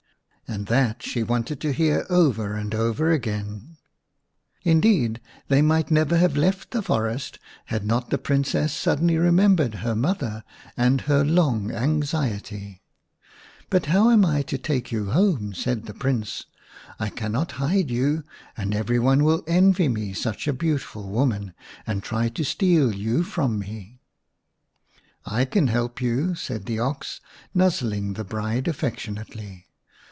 And that she wanted to hear over and over again. 41 The Shining Princess iv Indeed, they might neyef have left the forest had not the Princess/Suddenly remembered her mother and her long anxiety./ " But how am I to take you home ?" said the Prince. " I cannot hide you, and every one will envy me such a beautiful woman, and try to steal you from me." " I can help you," said the ox, nuzzling the bride affectionately.